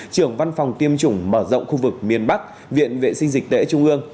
trưởng văn phòng tiêm chủng mở rộng khu vực miền bắc viện vệ sinh dịch tễ trung ương